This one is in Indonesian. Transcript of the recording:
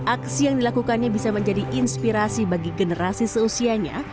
aksi yang dilakukannya bisa menjadi inspirasi bagi generasi seusianya